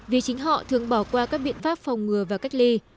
vì chính họ thường bỏ qua các biện pháp phòng ngừa và cách ly